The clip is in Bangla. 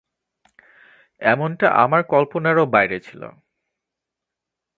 এমনটা আমার কল্পনারও বাইরে ছিল।